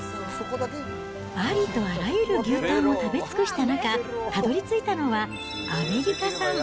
ありとあらゆる牛タンを食べ尽くした中、たどりついたのは、アメリカ産。